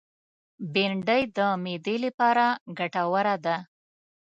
بېنډۍ د معدې لپاره ګټوره ده